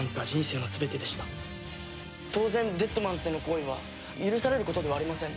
当然デッドマンズでの行為は許されることではありません。